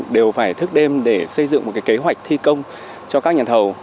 đều phải thức đêm để xây dựng một kế hoạch thi công cho các nhà thầu